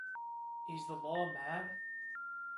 Is the law mad?